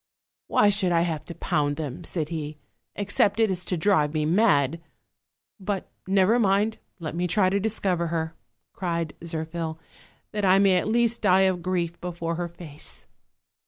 "Why should I have to pound them," said he, "except it is to drive me mad? But never mind, let me try to discover her," cried Zir phil; "that I may at least die of grief before her face."